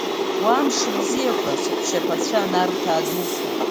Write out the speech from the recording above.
Уа мшыбзиақәа, саҳәшьаԥацәа, Нарҭаа дуқәа!